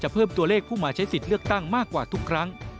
เพิ่มตัวเลขผู้มาใช้สิทธิ์เลือกตั้งมากกว่าทุกครั้ง